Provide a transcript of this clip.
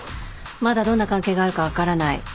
まだどんな関係があるか分からない。